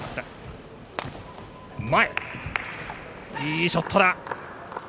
いいショットだ。